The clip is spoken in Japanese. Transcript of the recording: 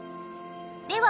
では